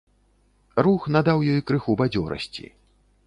Рух надаў ёй крыху бадзёрасці.